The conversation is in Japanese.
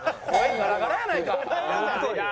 ガラガラやないか！